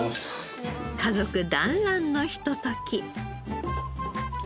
家族だんらんのひととき。